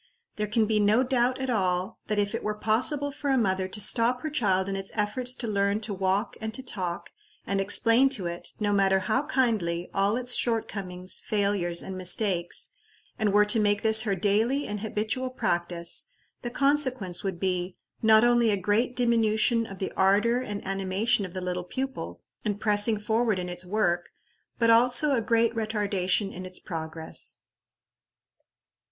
There can be no doubt at all that if it were possible for a mother to stop her child in its efforts to learn to walk and to talk, and explain to it, no matter how kindly, all its shortcomings, failures, and mistakes, and were to make this her daily and habitual practice, the consequence would be, not only a great diminution of the ardor and animation of the little pupil, in pressing forward in its work, but also a great retardation in its progress.